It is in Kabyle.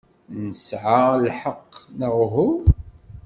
Nesɛa lḥeqq, neɣ uhu?